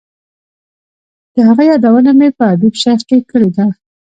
د هغه یادونه مې په ادیب شیخ کې کړې ده.